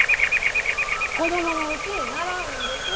子供のうちに習うんです。